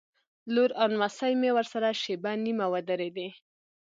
لور او نمسۍ مې ورسره شېبه نیمه ودرېدې.